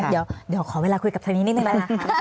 อย่างนั้นเดี๋ยวขอเวลาคุยกับทางนี้นิดหนึ่งนะคะ